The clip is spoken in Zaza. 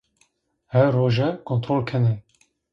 Her roje kontrol kenê